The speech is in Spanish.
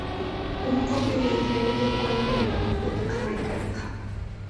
Las copias del diario se encuentran en la Biblioteca Británica.